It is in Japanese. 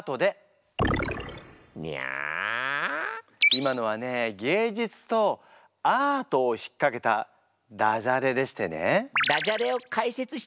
今のはね芸術とアートを引っかけたダジャレでしてね。